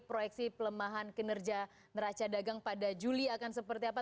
proyeksi pelemahan kinerja neraca dagang pada juli akan seperti apa